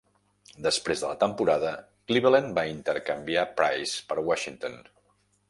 Després de la temporada, Cleveland va intercanviar Price per Washington.